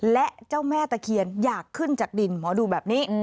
และเจ้าแม่ตะเคียนอยากขึ้นจากดินหมอดูแบบนี้